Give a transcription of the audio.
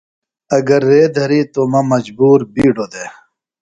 اگر رے دھریتوۡ مہ مجبور بیڈُوۡ دےۡ۔